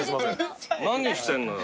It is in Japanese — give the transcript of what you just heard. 何してんのよ。